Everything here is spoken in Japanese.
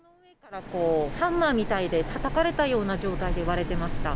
ハンマーみたいなものでたたかれた状態で割れてました。